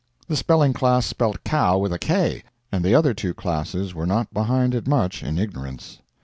The spelling class spelt cow with a K, and the other two classes were not behind it much in ignorance.